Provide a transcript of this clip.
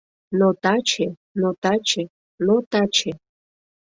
Но таче, но таче, но таче